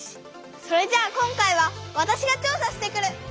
それじゃあ今回はわたしが調さしてくる！